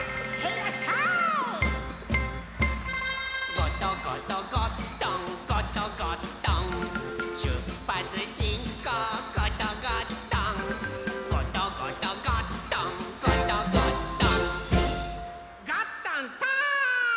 「ゴトゴトゴットンゴトゴットン」「しゅっぱつしんこうゴトゴットン」「ゴトゴトゴットンゴトゴットン」ゴットントーン！